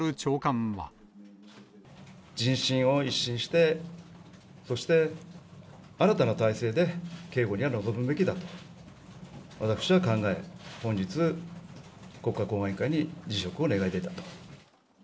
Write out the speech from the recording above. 人心を一新して、そして新たな体制で警護には臨むべきだと、私は考え、本日、国家公安委員会に辞職を願い出たと。